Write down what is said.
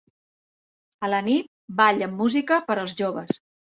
A la nit, ball amb música per als joves.